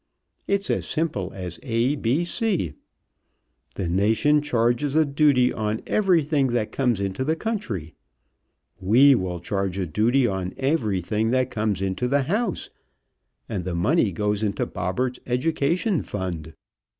It's as simple as A B C. The nation charges a duty on everything that comes into the country; we will charge a duty on everything that comes into the house, and the money goes into Bobberts' education fund.